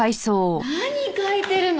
何描いてるの！？